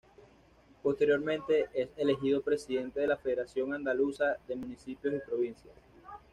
Posteriormente es elegido presidente de la Federación Andaluza de Municipios y Provincias.